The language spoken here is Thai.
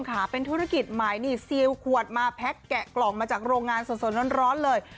คุณผู้ชมค่ะเป็นธุรกิจหมายซีลขวดมาแพ็คแกะกล่องมาจากโรงงานส่วนร้อนเลย